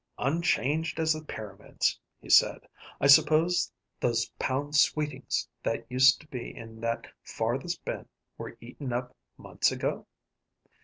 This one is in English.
"Unchanged as the pyramids!" he said. "I suppose those pound sweetings that used to be in that farthest bin were eaten up months ago?"